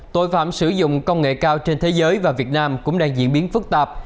tội phạm sử dụng công nghệ cao trên thế giới và việt nam cũng đang diễn biến phức tạp